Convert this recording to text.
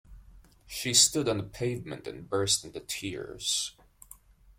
She stood on the pavement and burst into tears.